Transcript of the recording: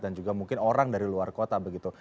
dan juga mungkin orang dari luar kota begitu